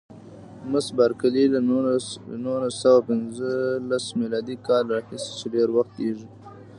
مس بارکلي: له نولس سوه پنځلسم میلادي کال راهیسې چې ډېر وخت کېږي.